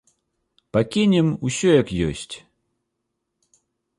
Пакінем усё як ёсць.